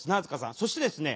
そしてですね